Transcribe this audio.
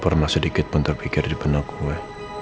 tidak pernah sedikit pun terpikir di penak gue